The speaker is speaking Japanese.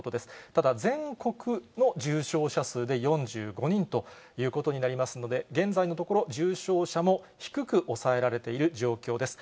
ただ、全国の重症者数で４５人ということになりますので、現在のところ、重症者も低く抑えられている状況です。